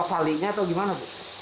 kalinya atau gimana bu